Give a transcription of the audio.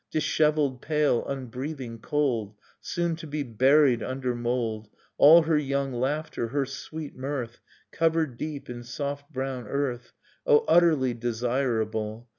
Dishevelled, pale, unbreathing, cold, Soon to be buried under mould, All her young laughter, her sweet mirth, Covered deep in soft brown earth ... Oh utterh' desirable!